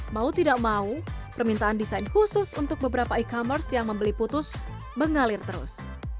mau tidak mau permintaan desain khusus untuk beberapa e commerce yang membeli putus mengalir terus